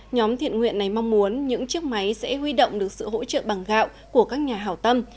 nhóm thiện nguyện này mong muốn những chiếc máy sẽ huy động được sự hỗ trợ bằng gạo của các nhà hảo tâm